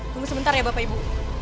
tunggu sebentar ya bapak ibu